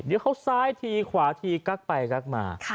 เดี๋ยวเขาซ้ายทีขวาทีกักไปกักมา